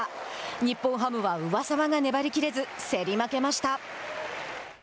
日本ハムは、上沢が粘りきれず競り負けました。